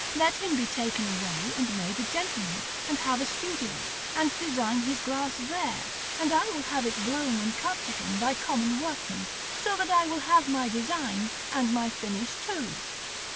Let him be taken away and made a gentleman, and have a studio, and design his glass there, and I will have it blown and cut for him by common workmen, and so I will have my design and my finish too."